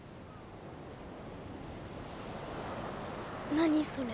何それ？